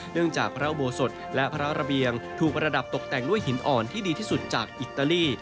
จากพระอุโบสถและพระระเบียงถูกระดับตกแต่งด้วยหินอ่อนที่ดีที่สุดจากอิตาลี